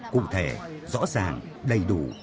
cụ thể rõ ràng đầy đủ